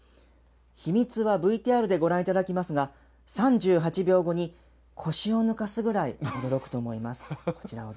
秘密はＶＴＲでご覧いただきますが、３８秒後に、腰を抜かすぐらい驚くと思います。